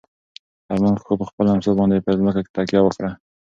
ارمان کاکا په خپله امسا باندې پر ځمکه تکیه وکړه.